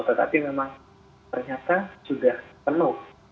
tetapi memang ternyata sudah penuh